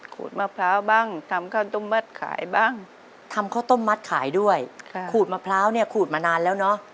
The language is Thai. ขูดมะพร้าวบ้างทำข้าวต้มมัดขายบ้างทำข้าวต้มมัดขายด้วยขูดมะพร้าวเนี่ยขูดมานานแล้วเนอะ